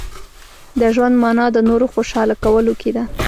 • د ژوند مانا د نورو خوشحاله کولو کې ده.